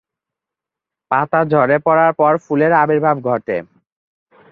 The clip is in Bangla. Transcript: পাতা ঝরে পড়ার পর ফুলের আবির্ভাব ঘটে।